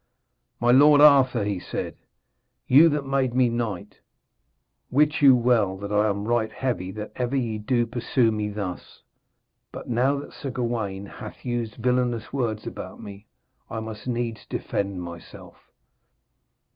'My lord Arthur,' he said, 'you that made me knight, wit you well that I am right heavy that ever ye do pursue me thus; but now that Sir Gawaine hath used villainous words about me, I must needs defend myself.'